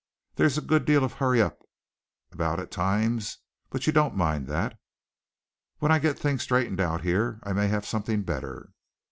There's a good deal of hurry up about at times, but you don't mind that. When I get things straightened out here I may have something better."